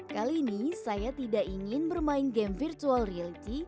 kali ini saya tidak ingin bermain game virtual reality